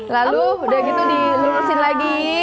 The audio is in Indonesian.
lalu udah gitu dilulusin lagi